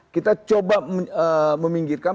kita coba meminggirkan